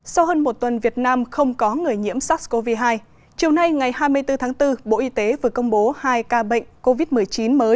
sau hơn một tuần việt nam không có người nhiễm sars cov hai chiều nay ngày hai mươi bốn tháng bốn bộ y tế vừa công bố hai ca bệnh covid một mươi chín mới